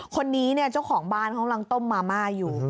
คนนี้เนี่ยเจ้าของบ้านเขากำลังต้มมาม่าอยู่